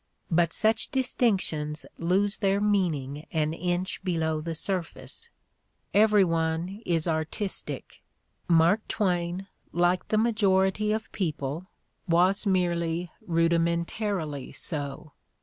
But such distinctions lose their meaning an inch below the surface. Every one is "artistic": Mark Twain, like the majority of people, was merely rudimentarily so.